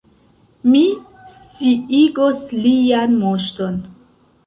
Mi sciigos Lian Moŝton.